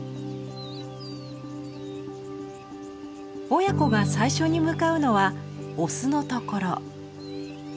親子が最初に向かうのはオスのところ。